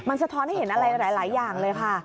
สะท้อนให้เห็นอะไรหลายอย่างเลยค่ะ